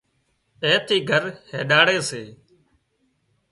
اين ٿي گھر هينڏاڙي سي